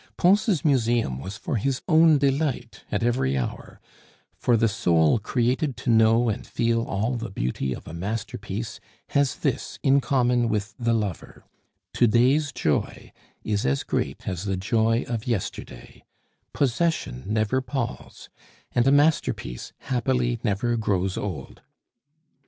Pons' museum was for his own delight at every hour; for the soul created to know and feel all the beauty of a masterpiece has this in common with the lover to day's joy is as great as the joy of yesterday; possession never palls; and a masterpiece, happily, never grows old.